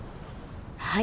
はい。